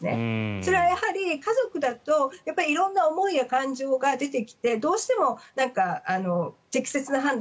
それはやはり家族だと色んな思いや感情が出てきてどうしても適切な判断